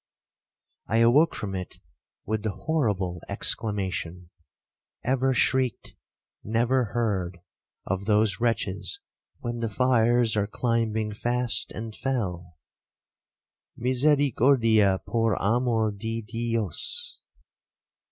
'I awoke from it with the horrible exclamation—ever shrieked, never heard—of those wretches, when the fires are climbing fast and fell,—Misericordia por amor di Dios!